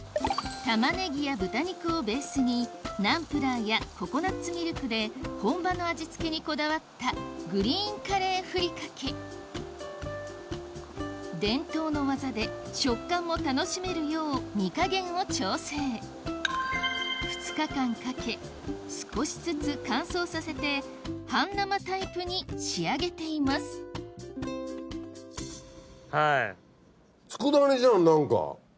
玉ねぎや豚肉をベースにナンプラーやココナッツミルクで本場の味付けにこだわったグリーンカレーふりかけ伝統の技で食感も楽しめるよう煮加減を調整２日間かけ少しずつ乾燥させて半生タイプに仕上げていますはい。